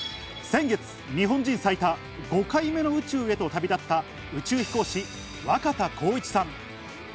先月、日本人最多５回目の宇宙へと旅立った宇宙飛行士・若田光一さん。